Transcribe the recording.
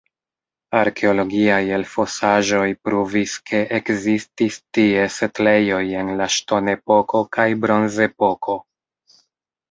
Arkeologiaj elfosaĵoj pruvis, ke ekzistis tie setlejoj en la ŝtonepoko kaj bronzepoko.